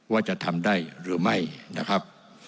ว่าจะทำได้หรือไม่นะครับ